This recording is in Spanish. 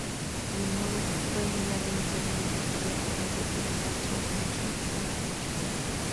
Minoru fue enviado inicialmente a estudiar Karate con el maestro Gichin Funakoshi.